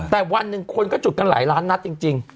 แต่วันหนึ่งคนก็จุดกันหลายล้านนัดจริง